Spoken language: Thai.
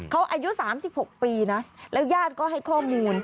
เขาอายุ๓๖ปีนะแล้วญาติก็ให้ข้อมูล